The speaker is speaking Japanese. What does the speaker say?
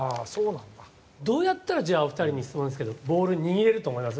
どうやったらお二人に質問ですけどボールを握れると思います？